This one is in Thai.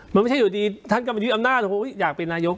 มันไม่ใช่อยู่ดีท่านก็มายึดอำนาจอยากเป็นนายก